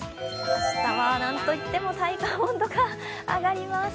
明日は何といっても体感温度が上がります。